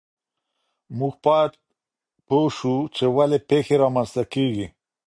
موږ باید پوه سو چې ولې پیښې رامنځته کیږي.